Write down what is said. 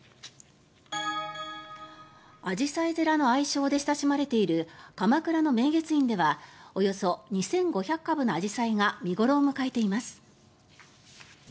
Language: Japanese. あじさい寺の愛称で親しまれている鎌倉の明月院ではおよそ２５００株のアジサイが見頃を迎えています。